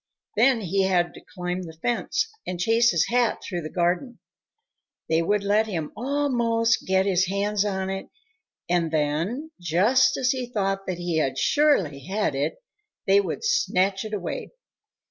Then he had to climb the fence and chase his hat through the garden. They would let him almost get his hands on it and then, just as he thought that he surely had it, they would snatch it away.